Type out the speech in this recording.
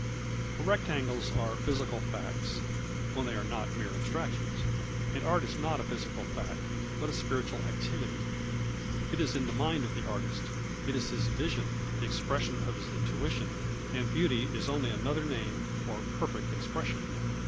For rectangles are physical facts (when they arc not mere abstrac tions), and art is not a physical fact, but a spiritual activity. It is in the mind of the artist, it is his vision, the expression of his intuition, and beauty is only another name for perfect expression.